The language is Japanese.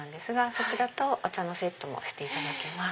そちらとお茶のセットもしていただけます。